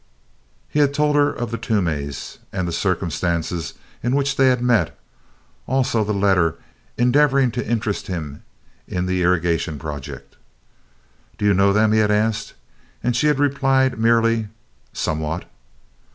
He had told her of the Toomeys and the circumstances in which they had met; also of the letter endeavoring to interest him in the irrigation project. "Do you know them?" he had asked, and she had replied merely, "Somewhat."